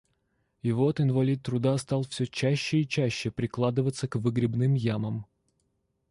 И вот инвалид труда стал всё чаще и чаще прикладываться к выгребным ямам.